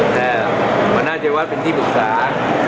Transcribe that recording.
หัวหน้าเจียวัฒน์เป็นที่ปรึกษา